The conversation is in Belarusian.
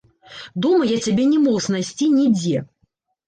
Дома я цябе не мог знайсці нідзе.